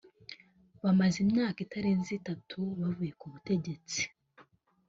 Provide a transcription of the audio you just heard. bamaze imyaka itarenze itatu bavuye ku butegetsi